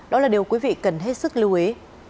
đó là điều quý vị cần hết sức lưu ý